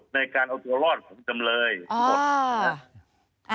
ในการเอาตัวรอดของจำเขบ